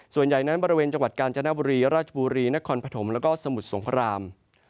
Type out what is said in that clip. ส่วนใหญ่นั้นบริเวณจังหวัดกาญจนบุรีราชบุรีนครปฐมแล้วก็สมุทรสงคราม